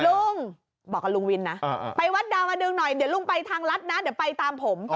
ลุงบอกกับลุงวินนะไปวัดดาวมาดึงหน่อยเดี๋ยวลุงไปทางรัฐนะเดี๋ยวไปตามผม